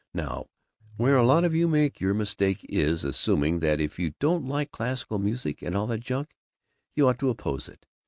Now, where a lot of you make your mistake is in assuming that if you don't like classical music and all that junk, you ought to oppose it.